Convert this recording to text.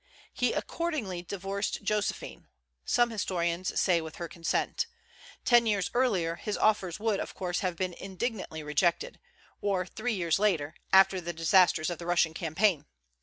He accordingly divorced Josephine, some historians say with her consent. Ten years earlier his offers would, of course, have been indignantly rejected, or three years later, after the disasters of the Russian campaign.